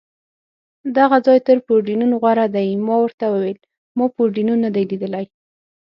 دغه ځای تر پورډېنون غوره دی، ما ورته وویل: ما پورډېنون نه دی لیدلی.